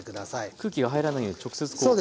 空気が入らないように直接こう。